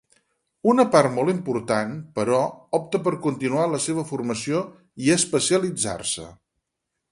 Una part molt important, però, opta per continuar la seva formació i especialitzar-se.